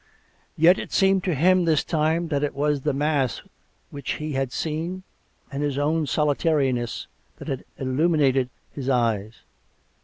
Yet it seemed to him this time that it was the mass which he had seen, and his own solitariness, that had illuminated his eyes.